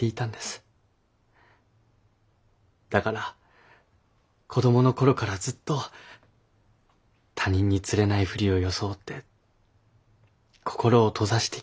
だから子どものころからずっと他人につれないふりを装って心を閉ざしてきたんです。